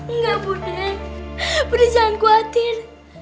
enggak budi budi jangan khawatir